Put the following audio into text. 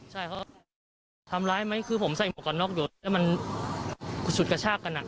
ใช่เขาทำร้ายไหมคือผมใส่หมวกกันน็อกอยู่แล้วมันฉุดกระชากกันอ่ะ